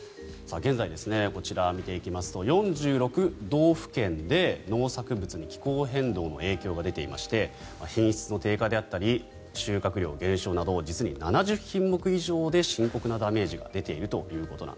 現在、こちらを見ていきますと４６道府県で農作物に気候変動の影響が出ていまして品質の低下であったり収穫量の減少など実に７０品目以上で深刻なダメージが出ていると。